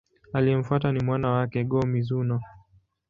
Aliyemfuata ni mwana wake, Go-Mizunoo.